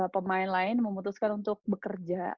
pemain lain memutuskan untuk bekerja